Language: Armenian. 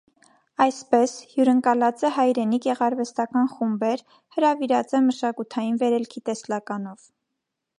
Այսպէս՝ հիւրընկալած է հայրենի գեղարուեստական խումբեր, հրաւիրած է մշակութային վերելքի տեսլականով։